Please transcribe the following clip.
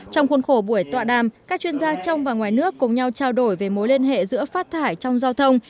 trong khuôn khổ buổi tọa đàm các chuyên gia trong và ngoài nước cùng nhau trao đổi về mối liên hệ giữa phát thải trong giao thông